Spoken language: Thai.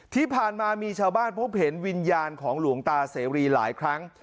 ที่ผ่านมามีชาวบ้านพบเห็นวิญญาณของหลวงตาเสรีหลายครั้ง